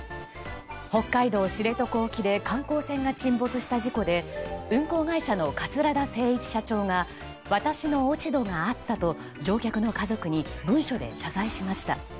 北海道知床沖で観光船が沈没した事故で運航会社の桂田精一社長が私の落ち度があったと乗客の家族に文書で謝罪しました。